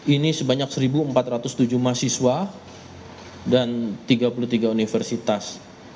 ini sebanyak satu empat ratus tujuh mahasiswa dan tiga puluh tiga universitas